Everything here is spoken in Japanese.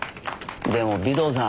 でも尾藤さん